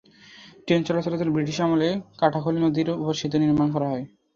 Train চলাচলের জন্য British আমলে কাটাখালী নদীর ওপর সেতু নির্মাণ করা হয়।